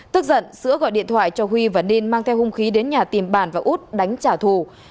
tức giận sữa gọi điện thoại cho huy và ninh mang theo hung khí đến nhà tìm bàn và út đánh trả thù